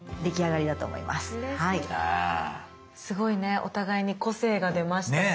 すごいねお互いに個性が出ましたし。